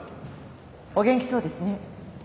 お元気そうですね。